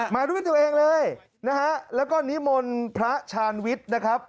มาด้วยตัวเองเลยนะฮะแล้วก็นิมนต์พระชาญวิทย์นะครับ